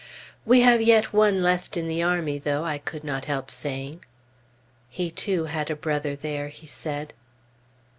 "We have yet one left in the army, though," I could not help saying. He, too, had a brother there, he said.